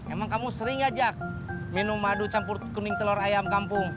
emang kamu sering ajak minum madu campur kuning telur ayam kampung